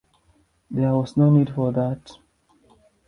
There was no need for that.